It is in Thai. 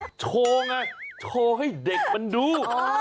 โชว์ไงโชว์ให้เด็กมันดู